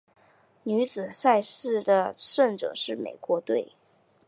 女子赛事的胜者是美国队。